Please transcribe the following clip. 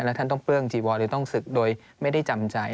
แล้วท่านต้องเปลื้องจีวรเลยต้องศึกโดยไม่ได้จำใจ